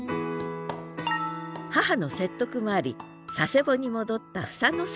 母の説得もあり佐世保に戻った房の輔さん。